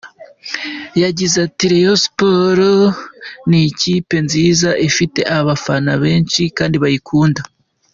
Yagize ati “Rayon Sports ni ikipe nziza ifite abafana benshi kandi bayikunda.